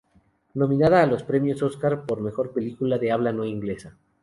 Nominada a los Premios Oscar por Mejor Película de habla no inglesa.